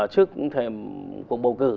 trước cuộc bầu cử